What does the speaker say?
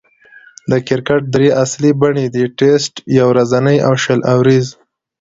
د کرکټ درې اصلي بڼې دي: ټېسټ، يو ورځنۍ، او شل اووريز.